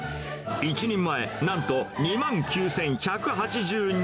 １人前、なんと２万９１８２円。